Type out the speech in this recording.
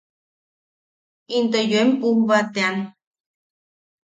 Into yoem pujba tean.